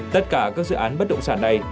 tất cả các dự án bất động sản này